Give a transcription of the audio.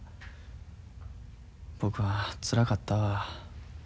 僕はつらかったわ。